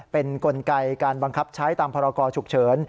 เป็นกลไกการบังคับใช้ตามพรกรฉุกเฉิน